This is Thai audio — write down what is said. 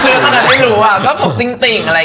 คือตอนนั้นไม่รู้อะก็ผมติ้งอะไรอย่างเงี้ย